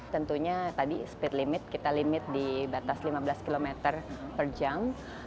tentunya tadi speed limit kita limit di batas lima belas km per jam